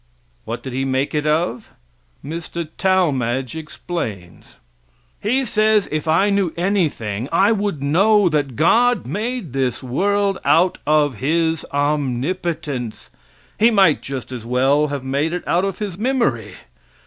What did He make it of? Mr. Talmage explains. He says if I knew anything I would know that God made this world out of His omnipotence. He might just as well made it out of His memory.